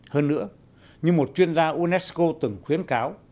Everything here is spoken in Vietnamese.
hơn nữa như một chuyên gia unesco từng khuyến cáo